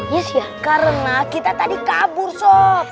yes ya karena kita tadi kabur so